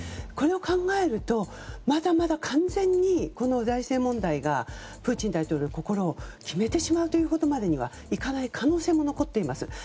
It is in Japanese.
これを考えると、まだまだ完全にこの財政問題がプーチン大統領の心を決めてしまうというところまではいかない可能性も残っています。